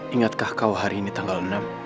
ingatkah kau hari ini tanggal enam